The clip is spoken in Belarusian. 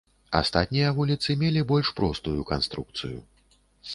Астатнія вуліцы мелі больш простую канструкцыю.